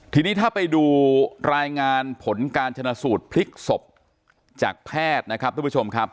ทีนี้ถ้าไปดูรายงานผลการชนะสูตรพลิกศพจากแพทย์